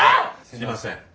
すいません。